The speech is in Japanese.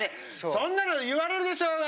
そんなの言われるでしょうが！